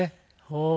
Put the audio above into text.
ほう。